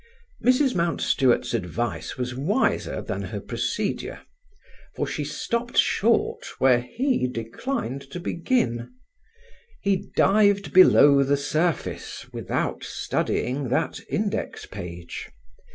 Mrs. Mountstuart's advice was wiser than her procedure, for she stopped short where he declined to begin. He dived below the surface without studying that index page.